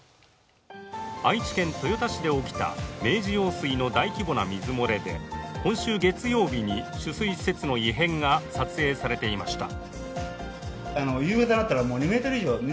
愛知県豊田市で起きた明治用水の大規模な水漏れで今週月曜日に取水施設の異変が撮影されていました。